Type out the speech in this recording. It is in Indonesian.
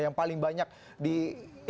yang paling banyak di